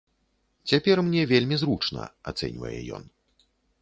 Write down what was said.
Цяпер мне вельмі зручна, ацэньвае ён.